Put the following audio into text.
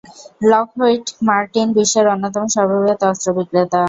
Lockheed Martin বিশ্বের অন্যতম সর্ববৃহৎ অস্ত্র বিক্রেতা।